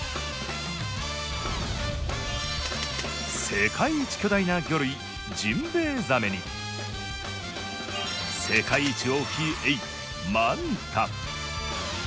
世界一巨大な魚類ジンベエザメに世界一大きいエイマンタ。